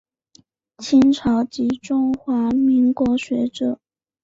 清朝及中华民国学者。